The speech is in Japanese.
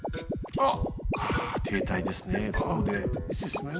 あっ。